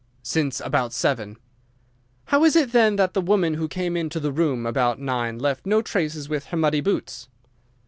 "Since about seven." "How is it, then, that the woman who came into the room about nine left no traces with her muddy boots?"